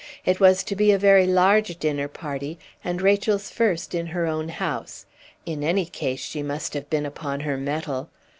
It was to be a very large dinner party, and Rachel's first in her own house; in any case she must have been upon her mettle.